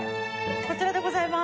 こちらでございます。